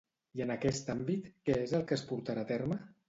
I en aquest àmbit, què és el que es portarà a terme?